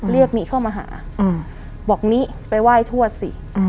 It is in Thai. หนี้เข้ามาหาบอกนี้ไปไหว้ทวดสิ